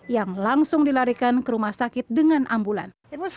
yang langsung dilarikan ke rumah sakit dengan ambulan